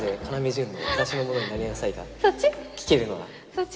そっち？